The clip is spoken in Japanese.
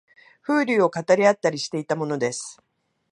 風流を語り合ったりしていたものです